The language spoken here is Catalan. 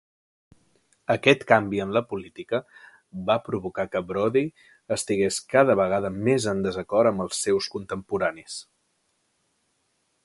Aquest canvi en la política va provocar que Brodie estigués cada vegada més en desacord amb els seus contemporanis.